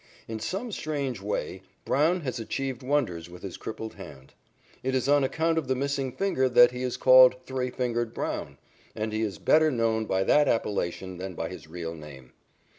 In some strange way, Brown has achieved wonders with this crippled hand. It is on account of the missing finger that he is called "Three Fingered" Brown, and he is better known by that appellation than by his real name.